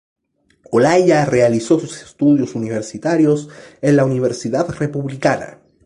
Olaya realizó sus estudios universitarios en la Universidad Republicana.